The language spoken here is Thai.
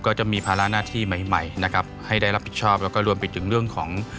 ก็จะมีภาระหน้าที่ใหม่ใหม่นะครับให้ได้รับผิดชอบแล้วก็รวมไปถึงเรื่องของ